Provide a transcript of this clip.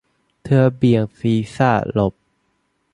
เธอเบี่ยงศีรษะหลบ